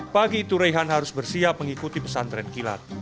pagi itu reyhan harus bersiap mengikuti pesan tren kilat